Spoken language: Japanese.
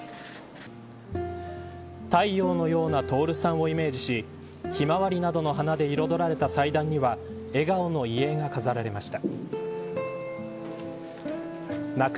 太陽のような徹さんをイメージしひまわりなどの花で彩られた祭壇には笑顔の遺影が飾られました。